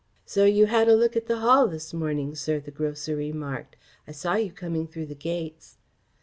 "So you had a look at the Hall this morning, sir," the grocer remarked. "I saw you coming through the gates."